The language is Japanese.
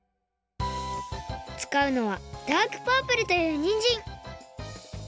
つかうのはダークパープルというにんじん。